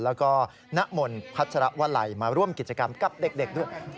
แล้วก็ณมนพัชรวลัยมาร่วมกิจกรรมกับเด็กด้วย